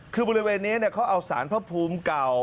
คือบริเวณนี้เขาเอาสารพระภูมิเก่า